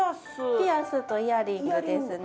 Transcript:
ピアスとイヤリングですね。